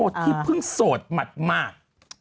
ที่เพิ่งโสดหมาด